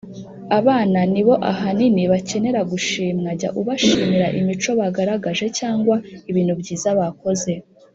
Abana ni bo ahanini bakenera gushimwa Jya ubashimira imico bagaragaje cyangwa ibintu byiza bakoze